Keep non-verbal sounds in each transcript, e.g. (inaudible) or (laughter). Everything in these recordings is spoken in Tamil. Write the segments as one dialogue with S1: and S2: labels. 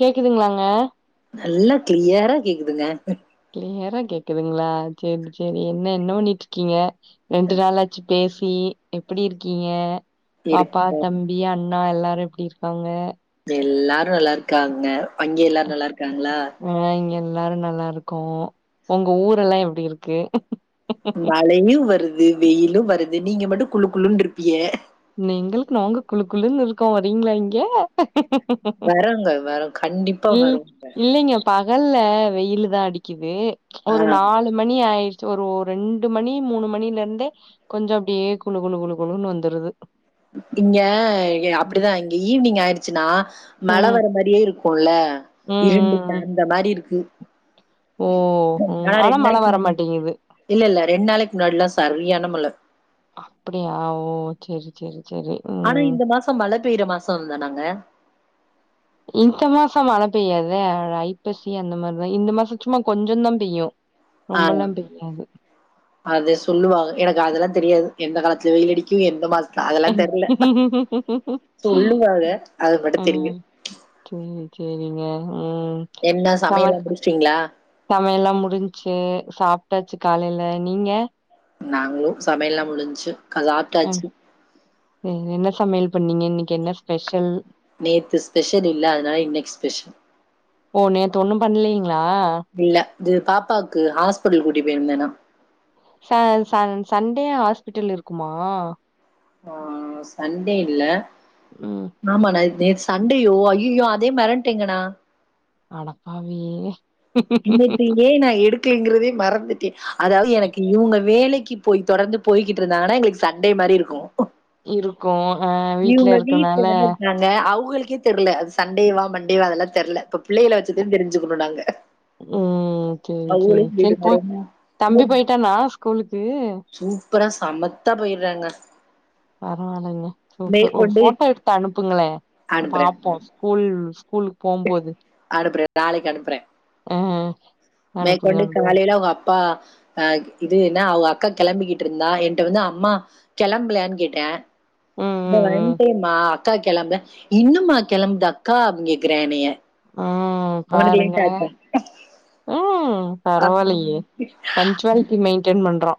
S1: கேக்குதுங்களாங்க
S2: நல்லா கிளியரா கேக்குதுங்க
S1: கிளியரா கேக்குதுங்களா சேரி சேரி என்ன என்ன பண்ணிட்டு இருக்கீங்க ரெண்டு நாளாச்சு பேசி எப்படி இருக்கீங்க பாப்பா
S2: இருக்குங்க.
S1: தம்பி ணதியா அண்ணா எல்லாரும் எப்படி இருக்காங்க
S2: எல்லாரும் நல்லா இருக்காங்க அங்கே எல்லாரும் நல்லா இருக்காங்களா
S1: ஆ இங்க எல்லாரும் நல்லா இருக்கோம் உங்க ஊரெல்லாம் எப்டி இருக்கு
S2: மழையும் வருது வெயிலும் வருது நீங்க மட்டும் குளு குளுன்னு இருப்பீய
S1: நீங்கள் நாங்க குளு குளுன் இருக்கோ வரீங்களா இங்க
S2: வரோங்க வரோம் கண்டிப்பா
S1: இல்
S2: வரோம்ங்க
S1: இல்லைங்க பகல்ல வெயிலு தான் அடிக்குது
S2: ஆ
S1: ஒரு நாலு மணி ஆயிருச் ஒரு ரெண்டு மணி மூணு மணில இருந்தே கொஞ்சம் அப்படியே குழு குழு குழு குழுன்னு வந்துருது
S2: இங்க அப்படிதான் இங்க ஈவினிங் ஆயிடுச்சுன்னா
S1: ம்
S2: மழை வர மாதிரியே இருக்கும் இருக்கும்ல
S1: ம்
S2: இருண்டு
S1: ம் ம்
S2: பெறண்ட மாதிரி இருக்கு
S1: ஓ ம்
S2: நான்
S1: ஆனா
S2: ரெண்டு
S1: மழ
S2: நாளைக்கு
S1: வர
S2: முன்னா
S1: மாட்டேங்குது
S2: இல்ல இல்ல ரெண்டு நாளைக்கு முன்னாடில்லாம் சரியான மழ
S1: அப்படியா ஓ சரி சரி சரி
S2: ஆனா இந்த மாசம் மழை பெய்ற மாசம் தானங்க
S1: இந்த மாசம் மழை பெய்யாதே ஐப்பசி அந்த மாதிரிதான் இந்த மாசம் சும்மா கொஞ்சம் தான் பெய்யும்
S2: ஆ.
S1: ரொம்பல்லாம் பெய்யாது
S2: அது சொல்லுவாக எனக்கு அதெல்லாம் தெரியாது எந்த காலத்துல வெயில் அடிக்கும் எந்த மாச அதெல்லாம் தெரில சொல்லுவாக அது மட்டும் தெரியும்
S1: ம் சேரி சேரிங்க உம்
S2: என்ன சமையல்லா முடிச்சிடிங்களா
S1: ஆமா எல்லாம் முடிஞ்சிசு சாப்ட்டாச்சு காலையில நீங்க
S2: நாங்களும் சமையல்லாம் முடிஞ்சு
S1: ம்
S2: சாப்ட்டாச்சு
S1: என்ன சமையல் பண்ணீங்க இன்னைக்கு என்ன ஸ்பெஷல்
S2: நேத்து ஸ்பெஷல் இல்ல அதனால இன்னைக்கு ஸ்பெஷல்
S1: ஓ நேத்து ஒண்ணும் பண்ணலீங்களா
S2: இல்ல இது பாப்பாவுக்கு ஹாஸ்பிட்டல் கூட்டி போயிருந்தேனா
S1: ச ச சண்டே ஹாஸ்பிட்டல் இருக்குமா
S2: ஆ சண்டே இல்ல
S1: ம்
S2: ஆமா நா நே சண்டேயோ ஐயோயோ அதே மரட்டேங்க நா
S1: அடப்பாவி
S2: இன்னக்கு ஏ நா எடுக்கலங்கிறதே மறந்துட்டே அதாவது எனக்கு இவங்க வேலைக்கு போய் தொடர்ந்து போய்கிட்டு இருந்தாங்கன்னா எங்ளுக்கு சண்டே மாரி இருக்கு
S1: இருக்கு அ வீட்ல இருக்கனால
S2: அ அவங்களுக்கே தெர்ல அது சண்டேவா மண்டேவா அதெல்லா தெர்ல இப்ப பிள்ளைள வச்சுதா தெரிஞ்சுக்கணு நாங்க
S1: ம் சேரி
S2: அவுங்களே
S1: சேரி
S2: சொல்லிடுங்க
S1: சேரிப்பா
S2: ரொம்ப ரொம்ப
S1: தம்பி போய்ட்டானா ஸ்கூலுக்கு
S2: சூப்பரா சமத்தா போய்றாங்க
S1: பரவாயில்லைங்க சூப்பர் ஒரு
S2: மேற்கொண்டு
S1: ஃபோட்டோ எடுத்து அனுப்புங்களே
S2: அனுப்புறேன்
S1: பாப்போ ஸ்கூல் ஸ்கூலுக்கு போம்போது
S2: அனுப்புறே நாளைக்கு அனுப்புறே
S1: ம்
S2: மேற்கொண்டு காலைல அவுங்க அப்பா அ இது என்னா அவங்க அக்கா கெளம்பிக்கிட்டு இருந்தா என்ட்ட வந்து அம்மா கெளம்பலயான்னு கேட்டே
S1: ம்
S2: இதோ
S1: ம் ம்
S2: வன்ட்டே மா அக்கா கெளம்ள இன்னும்மா கெளம்து அக்கா அப்டினு கேக்றா என்னைய
S1: ம்
S2: அவனுக்கு லேட்
S1: பாருங்ளே
S2: ஆச்சா.
S1: ம் பரவால்லையே பன்ச்வாலிட்டி மெயின்டய்ன் பண்றா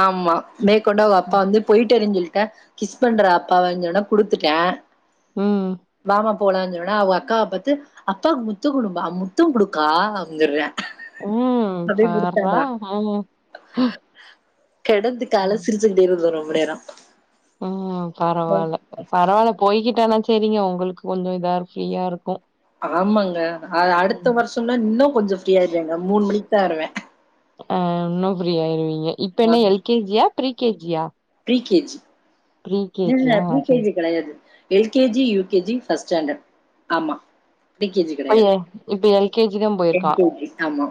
S2: ஆமா மேற்கொண்டு அவங்க அப்பா வந்து போயிட்டாருனு சொல்ட்டா கிஸ் பண்றா அப்பாவன்னு‌ சொன்னா குடுத்துட்டா
S1: ம்
S2: வாமா போலானு சொன்னனா அவங்க அக்காவ பாத்து அப்பாவுக்கு முத்த குடுமா முத்த குடுக்கா அப்டினு சொல்றியா
S1: ம் பார்றா ம்
S2: கெடந்து கால
S1: ம்.
S2: சிரிச்சுக்கிட்டே இருந்தே ரொம்ப நேரோ
S1: ம் பரவால்ல பரவால்ல போய்கிட்டானா சரிங்க உங்களுக்கு கொஞ்ச இதா இருக் ஃப்ரீயா இருக்கு
S2: ஆமாங்க அ அடுத்த வருஷம்னா இன்னு கொஞ்ச ஃப்ரீயாயிருவேங்க மூணு மணிக்குதா வருவே
S1: அ இன்னு ஃப்ரீயாயிருவீங்க இப்ப என்ன எல் கே ஜியா ப்ரி கே ஜியா
S2: ப்ரீ கே ஜி என் ப்ரீ கே
S1: சரி.
S2: ஜி கெடையாது L K G U K G first standard ஆமா ப்ரீ கே ஜி
S1: இப்ப எ
S2: கெடையாது
S1: இப்ப எல்கேஜி தான்
S2: எல்
S1: போயிருக்கான்.
S2: கே ஜி ஆமா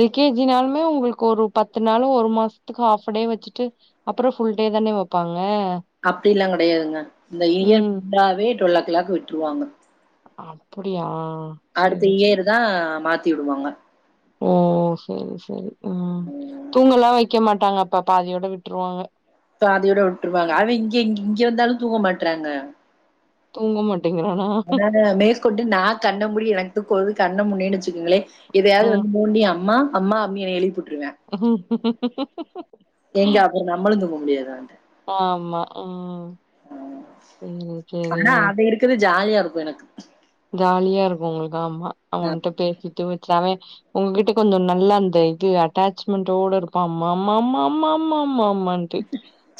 S1: எல்கேஜினாலுமே ஒங்களுக்கு ஒரு பத்து நாளு ஒரு மாசத்துக்கு ஹாஃபடே வச்சுட்டு அப்புற ஃபுல் டே தானே வெப்பாங்க
S2: அப்டில்லா கெடையாதுங்க அந்த இயர் ஃபுல்லாவே ட்வெல் ஓ க்ளாக் விட்டுருவாங்க
S1: அப்டியா
S2: அடுத்த இயர்தா மாத்தி விடுவாங்க
S1: ஓ செரி செரி ம் தூங்கல்லா வைக்க மாட்டாங்க அப்ப பாதியோட விட்ருவாங்க
S2: பாதியோட விட்ருவாங்க அவ இங்க இங்க வந்தாலு தூக்க மாட்றாங்க
S1: தூங்க மாட்டேங்றானா
S2: அதாங்க மேற்கொண்டு நா கண்ண மூடி எனக்கு‌ தூக்க வருது கண்ண மூடுன்னேன்னு வச்சுக்கோங்களே எதையாவது
S1: ம்.
S2: வந்து ‌நோண்டி அம்மா அம்மா அப்டினு‌ என்னைய எழுப்புட்ருவா எங்க அப்ற நம்மளு தூங்க முடியாது
S1: ஆமா ம் சேரி சேரிங்க
S2: க்ற ஜாலியா இருக்கு எனக்கு
S1: ஜாலியா இருக்கு உங்களுக்கு ஆமா அவன்ட்ட பேசிட்டு வச்சாவே உங்ககிட்ட கொஞ்ச நல்லா அந்த இது அட்டாச்மெண்டோட இருப்பா அம்மா அம்மா அம்மா அம்மான்னு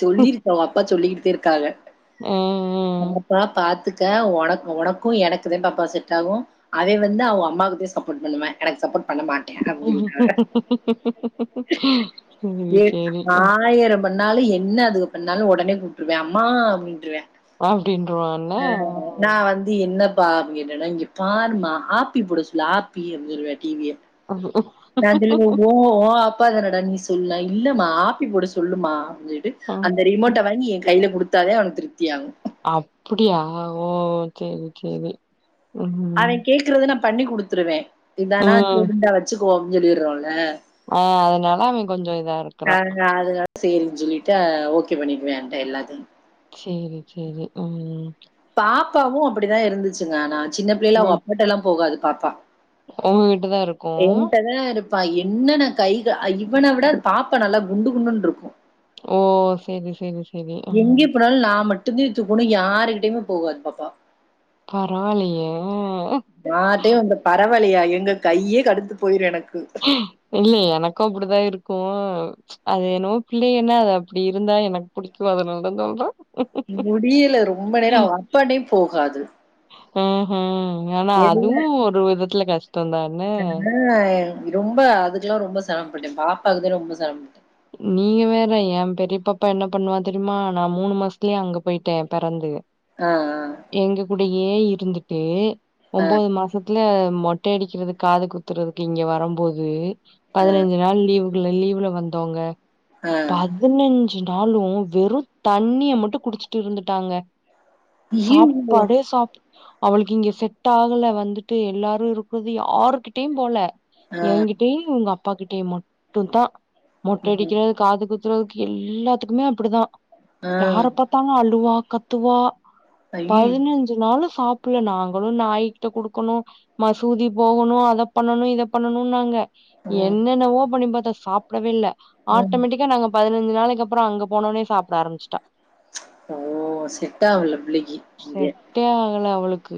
S2: சொல்லிருக்கு அவுக அப்பா சொல்லிக்கிட்டே‌தா இருக்காங்க
S1: ம்ம்ம்
S2: அப்ப பாத்துக்க உன உனக்கு எனக்குதா பாப்பா செட் ஆகு அவே வந்து அவ்க அம்மாவுக்குத்தே சப்போர்ட் பண்ணுவ எனக்கு சப்போர்ட் பண்ண மாட்டே
S1: அ.
S2: அப்படினுவாக
S1: சரி,
S2: ஏ
S1: சரி. ம்.
S2: ஆயிரம் பண்ணாலு என்ன அதுக்கு பண்ணாலு உடனே கூப்ட்ருவே அம்மா அப்படின்ருவா
S1: அப்படின்றவான்னா
S2: இது என்னப்பா அப்படின்னு கேட்ட மா இங்க பார்மா ஆப்பி போட சொல்லு ஹப்பி அப்பினு சொல்லுவன் டி விய
S1: அப்
S2: நா சொல்லுவே உன் உன் அப்பாதானடா நீ சொல்லுடானா இல்லம்மா ஆப்பி போட சொல்லுமா‌அப்டினு‌சொல்
S1: அ.
S2: அந்த ரிமோட்ட வாங்கி என் கையில கொடுத்தாதே அவனுக்கு திருப்தியாகு
S1: அப்படியா ஓ செரி செரி
S2: அவென் கேக்கறத நா பண்ணி குடுத்துருவே இதானா சரி
S1: ம்.
S2: இந்தா வச்சுக்கோம்னு சொல்லிடுறோம்ல
S1: ஆ அதனால அவெ கொஞ்ச இதா இருக்கு
S2: ஆ அதனால சரின்னு சொல்லிட்டு ஓகே பண்ணிடுவே ‌என்ட்ட எல்லாத்தையு
S1: செரி செரி ம்
S2: பாப்பாவு அப்படிதா இருந்துச்சுங்க ஆனா சின்ன பிள்ளைல அவங்க
S1: ம்.
S2: அப்பாட்டெல்லா போகாது பாப்பா
S1: உங்க வீட்டு தான் இருக்கும்.
S2: என்ட்டதா இரு ப்பா என்னன்ன கைகள் இவனை விட பாப்பா நல்லா குண்டு குண்டுனு இருக்கு
S1: ஓ செரி செரி
S2: எங்கே போனாலு நா மட்டுந்தே தூக்கணு யாருகிட்டயுமே போகாது பாப்பா
S1: பரவால்லையே ஆ
S2: யார்டயு வந்த பரவலையா ஏங்க கையே கடுத்து போயிரு எனக்கு
S1: இல்ல எனக்கு அப்டிதா இருக்கு அது என்னவோ பிள்ளைகனா அது அப்டி இருந்தா எனக்கு பிடிக்கு அதனாலதா
S2: முடில ரொம்ப நேரோ அவுக அப்பட்டயு போகாது
S1: ம் ம் ஆனா அதுவு ஒரு விதத்துல கஷ்டோ தான
S2: எதுனா ரொம்ப அதுக்கெல்லா ரொம்ப செரமபட்டே பாப்பாக்குதா ரொம்ப செரமப்பட்டே
S1: நீங்க வேற என் பெரிய பாப்பா என்ன பண்ணுவா தெரிமா நா மூணு மாசத்துலயே அங்க போயிட்டே பெறந்து
S2: ஆ ஆ
S1: எங்க கூடயே இருந்துட்டு
S2: ஆ,
S1: ஒன்பது மாசத்துல மொட் கட் அடிக்கிறது காது குத்துறதுக்கு இங்க வரம்போது
S2: ஆ,
S1: பதினஞ்சு நாள் லீவு லீவ்ல வந்து ங்க
S2: ஆ, ஆ.
S1: பாத் பதினஞ்சு நாளு வெறு தண்ணிய மட்டு குடிச்சுட்டு இருந்துட்டாங்க
S2: ஐயோ!
S1: சாப்பாடே சாப் அவளுக்கு இங்க செட் ஆகல வந்துட்டு எல்லாரு இருக்கறது யாருக்கிட்டயு போல
S2: ஆ,
S1: ஏ கிட்டயு அவ்ங்க அப்பா கிட்டயு மட்டுந்தா மொட்ட அடிக்க
S2: ம்,
S1: காது குத்தக்கு எல்லாத்துக்குமே அப்டிதா
S2: ஆ,
S1: யாரப்பாத் பாத்தாலு அழுவா கத்துவா
S2: ஐயோ!
S1: பதினஞ்சு நாலு சாப்டல நாங்களு நாய்கிட்ட குடுக்கணோ மசூதி போகனு அத பண்ணனு இத பண்ணனுன்னாங்க
S2: ம்,
S1: என்னென்னவோ பண்ணி பாத்தோ சாப்டவே இல்ல
S2: ம்.
S1: ஆட்டோமேட்டிக்கா நாங்க பதினஞ்சு நாளைக்கு அப்றோ அங்க போனோனே சாப்ட ஆரம்பிச்சுட்டா
S2: ஓ செட் ஆகல பிள்ளைக்கு இங்க
S1: செட்டே ஆகல அவ்ளுக்கு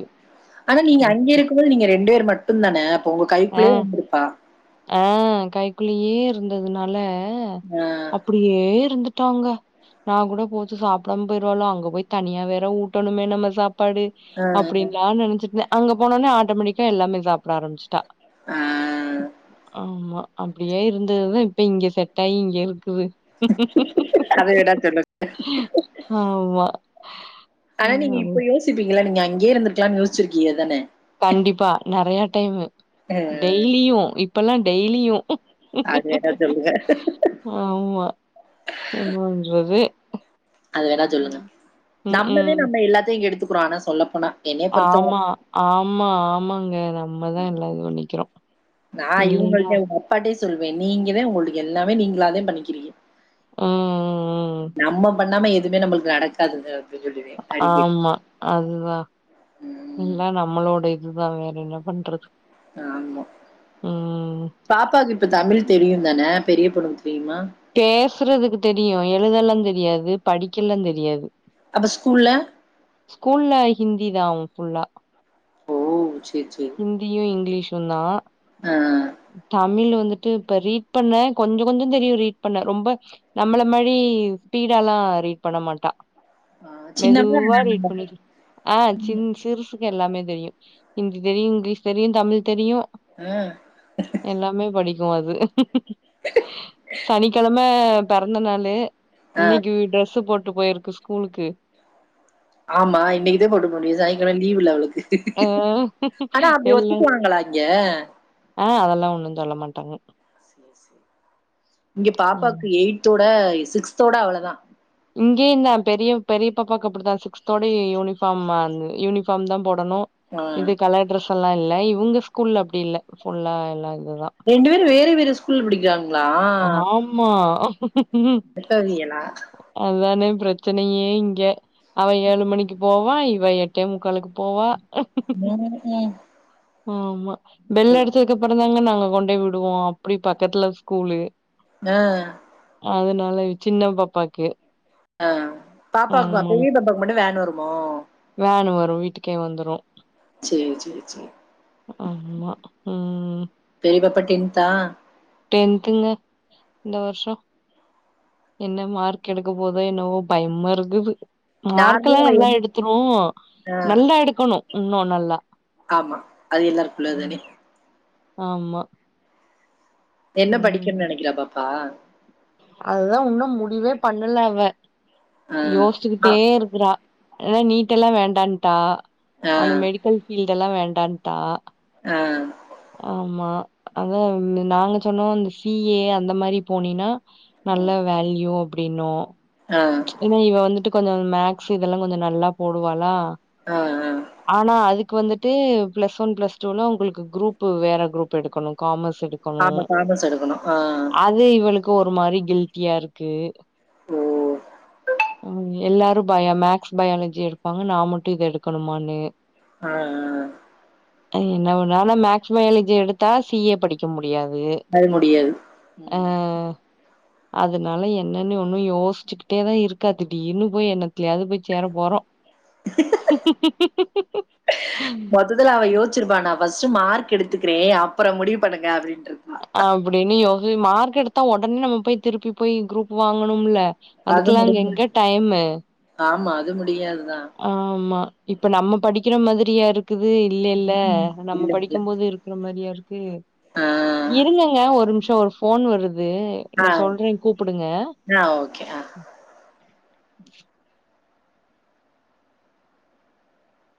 S2: ஆனா நீங்க அங்கே இருக்குபோது நீங்க ரெண்டு பேர் மட்டோ தான அப்போ உங்க
S1: ஆ
S2: கைக்குள்ளேயே இருந்திருப்பா
S1: ஆ கைக்குலியே இருந்ததுனால
S2: ஆஹ்
S1: அப் டியே இருந்துட்டாங்க நா கூட போச்சு சாப்டாம போய்டுவாலோ அங்க போய் தனியா வேற ஊட்டணுமே நம்ம சாப்பாடு
S2: ஆஹ்
S1: அப்டிளா நெனச்சுட்டுருந்த அங்க போனோனே ஆட்டோமேட்டிக்கா எல்லாமே சாப்ட ஆரம்பிச்சுட்டா
S2: ஆ
S1: ஆமா அப்டியே இருந்ததுதா இப்ப இங்க செட் ஆகி இங்க இருக்குது
S2: அது வேணா சொல்லுங்க
S1: ஆமா
S2: ஆனா நீங்க
S1: ம்
S2: இப்ப யோசிப்பீங்கள நீங்க அங்கயே இருந்திருக்கலானு யோசிச்சிருக்கீங்க தான
S1: கண்டிப்பா நெறைய டைம்மு
S2: ஆஹ்
S1: டெய்லியு இப்பல்லா டெய்லியு
S2: அது வேணா சொல்லுங்க
S1: ஆமா என்னபன்றது
S2: அது வேணா சொல்லுங்க நம்மவே
S1: ம்க்ம்.
S2: நம்ம எல்லாத்தையு எடுத்துக்குறோ ஆனா சொல்ல போனா என்னைய பொறுத்தவரை
S1: ஆமா ஆமா ஆமாங்க நம்மதா எல்லா சொல்லிக்றோ
S2: நா இவ்ங்கிட்ட அவுங்க அப்பாட்டே சொல்லுவே நீங்கதா உங்களுட எல்லாமே நீங்களாதா பண்ணிக்கிறீங்க
S1: ம், ம்.
S2: நம்ம பண்ணாம எதுவுமே நம்மளுக்கு நடக்காது க
S1: ஆமா அதுதா ம்
S2: உம்
S1: எல்லா நம்மளோட இதுதா வேற என்ன பண்றது
S2: ஆமா
S1: ம்.
S2: பாப்பாவுக்கு இப்ப தமிழ் தெரியு தான பெரிய பொண்ணுக்கு தெரிமா
S1: பேசுறதுக்கு தெரியு எழுதல்லா தெரியாது படிக்கல்லா தெரியாது
S2: அப்ப ஸ்கூல்ல
S1: ஸ்கூல்ல ஹிந்தி தா அவுங்க ஃபுல்லா
S2: ஓ செரி செரி
S1: ஹிந்தியு இங்கிலீஷு தா
S2: ஆ
S1: தமிழ் வந்துட் டு இப்ப ரீட் பண்ண கொஞ்சொ கொஞ்சொ தெரியு ரீட் பண்ண ரொம்ப நம்மள மாரி ஸ்பீடால்லா ரீட் பண்ண மாட்டா
S2: ஆ சின்னவ
S1: மெதுவா ரீட்
S2: நானுந்தா
S1: பண்ணி ஆ சின் சிறுசுக்கு எல்லாமே தெரியு தி தெரியு இங்லீஷ் தெரியு தமிழ் தெரியு
S2: ஆ
S1: எல்லாமே படிக்கு அது சனிக்கெழம பெறந்தநாளு
S2: ஆ
S1: இன்னைக்கு ட்ரெஸ்ஸு போட்டு போயிர்க்கு ஸ்கூலுக்கு
S2: ஆமா இன்னைக்குதா போட்டுபோ முடியு சனிக்கெழம லீவ்ல அவ்ளுக்கு
S1: ஆ
S2: ஆனா அப்டி
S1: எல்லா
S2: ஒத்துக்குவாங்களா இங்கெ
S1: ஆ அதெல்லா ஒன்னு சொல்ல மாட்டாங்க
S2: இங்க
S1: ம்
S2: பாப்பாக்கு எயி்தோட சிக்ஸ்தோட அவ்ளோதா
S1: இங்கேயந்தா பெரிய பெரிய பாப்பாக்கு அப்டித்தா சிக்ஸ்தோட யூனிஃபாம் ம யூனிஃபாம் தா போடணு
S2: ஆ
S1: இது கலர் ட்ரெஸ் எல்லா இல்ல இவுங்க ஸ்கூல்ல அப்டி இல்ல ஃபுல்லா எல்லா இதுதா
S2: ரெண்டு பேரு வேற வேற ஸ்கூல் படிக்காங்க
S1: ஆமா
S2: அடபாவியலா
S1: அதுதானே ப்ரச்சனையே இங்க அவ ஏழு மணிக்கு போவா இவ எட்டே முக்கால்கு போவா
S2: (unintelligible)
S1: ஆமா பெல்லு அடிச்சதக் அப்பறந்தாங்க நாங்க கொண்டோய் வுடுவோ அப்டி பக்கத்துல ஸ்கூலு
S2: ஆ
S1: அதனால சின்ன பாப்பாக்கு
S2: ஆ பாப்பாக் பெரிய பாப்பாக்கு மட்டு வேன் வருமோ
S1: வேனு வரு வீட்டுக்கே வந்துரு
S2: சேரி சேரி சேரி
S1: ஆமா ம்
S2: பெரிய பாப்பா டென்த்தா
S1: டென்த்துங்க இந்த வர்ஷொ என்ன மார்க் எடுக்க போதோ என்னவோ பயம்மா இருக்குது மார்க்கல்லா
S2: நார்மலா அவ
S1: நல்லா
S2: என்
S1: எடுத் துரு
S2: ஆ
S1: நல்லா எடுக்கணு இன்னு நல்லா
S2: ஆமா அது எல்லாருக்கு உள்ளத்
S1: ம்
S2: தானே
S1: ஆமா
S2: என்ன
S1: ம்
S2: படிக்கன் நெனக்கிறா பாப்பா
S1: அதுதா ஒன்னும் முடிவே பண்ணல அவ
S2: ஆ
S1: யோஸ்ச்சுகிட்டே இருக்குறா ஆன நீட்டெல்லா வேண்டான்ட்டா
S2: ஆ
S1: அந்த மெடிக்கல் ஃபீல்டல்லா வேண்டான்ட்டா
S2: ஆ
S1: ஆமா அதா நாங்க சொன்னோ அந்த சிஏ அந்த மாரி போனீனா நல்ல வேல்யூ அப்டின்னோ
S2: ஹ்ஹ
S1: ஏன்னா இவ வந்துட்டு கொஞ்சொ மேக்ஸ் இதெல்லா கொஞ்சொ நல்லா போடுவாலா
S2: ஆ ஆ
S1: ஆனா அதுக்கு வந்துட்டு பிளஸ் ஒன் பிளஸ் டூல உங்கள்க்கு குரூப் வேற குரூப் எடுக்கணு காமஸ் எடு க்கணு
S2: ஆமா காமர்ஸ் எடுக்கணு ஆ
S1: அது இவளுக்கு ஒரு மாரி கில்ட்டியா இருக்கு
S2: ம்
S1: ம் எல்லாரு பய மேக்ஸ் பயாலஜி எடுப்பாங்க நா மட்டு இத எடுக்கணுமான்னு
S2: ஆ ஆ
S1: என்ன பண்ணாலு மேக்ஸ் பயாலஜி எடுத்தா சி ஏ படிக்க முடியாது
S2: அது முடியாது
S1: ஆ
S2: ம்
S1: அதனால என்னன்னு ஒண்ணு யோஸ் சிக்கிட்டே தா இருக்காதுடி இன்னு போய் என்னத்துலயாது போய் சேர போறோ
S2: முதல அவ யோச்சிருப்பா நா ஃபஸ்ட்டு மார்க் எடுத்துக்றே அப்பற முடிவு பண்ணுங்க அப்டின்ட்டுருப்பா
S1: அப்படின்னு யோசி மார்க் எடுத்தா ஒடனே நம்ம போய் திருப்பி போய் குரூப் வாங்கணும்ல
S2: அது
S1: அதுக்கெல்லாம் அங்க
S2: முடியுமா
S1: எங்க டைம்.
S2: ஆம்மா அது முடியாதுதா
S1: ஆம்மா இப்ப நம்ம படிக்கிற மாதிரியா இருக்குது இல்லேல நம்ம
S2: இல்ல இல்ல
S1: படிக்கும்போது இருக் க்குற மாரியா இருக்கு
S2: ஆ
S1: இருங்கங்க ஒரு நிமிஷோ ஒரு ஃபோன் வருது
S2: ஆ
S1: நா சொல்றே கூப்புடுங்க
S2: ஆ ஓக்கே ஆ